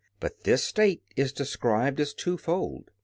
But this state is described as twofold.